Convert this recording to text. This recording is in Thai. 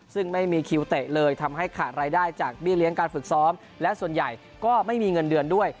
ซึ่งไม่มีคิวเตะเลยทำให้ขาดรายได้จากเบี้ยเลี้ยงการฝึกซ้อมและส่วนใหญ่ก็ไม่มีเงินเดือนด้วย